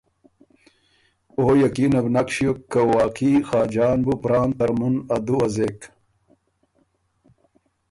او یقینه بو نک ݭیوک که واقعی خاجان بُو پران ترمُن ا دُوه زېک؟